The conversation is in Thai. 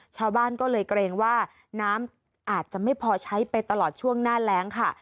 ชาวบ้านก็เลยเกรงว่าน้ำอาจจะไม่พอใช้ไปตลอดช่วงหน้าแรงค่ะ